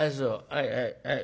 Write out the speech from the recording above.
はいはいはい。